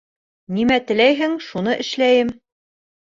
Нимә теләйһең, шуны эшләйем.